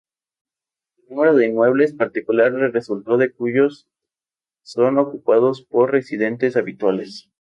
El número de inmuebles particulares resultó de cuyos son ocupados por residentes habituales.